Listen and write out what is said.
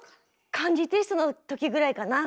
漢字テストのときぐらいかな